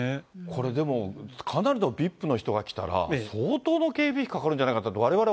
これでも、かなりのＶＩＰの人が来たら、相当の警備費かかるんじゃないかっ